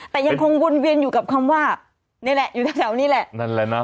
แต่ยังคงวนเวียนอยู่กับคำว่านี่แหละอยู่แถวแถวนี้แหละนั่นแหละนะ